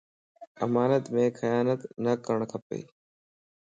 امانت مَ خيانت نه ڪرڻ کپ